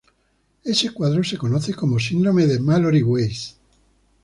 Este cuadro se conoce como Síndrome de Mallory–Weiss.